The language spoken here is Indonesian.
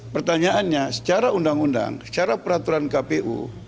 pertanyaannya secara undang undang secara peraturan kpu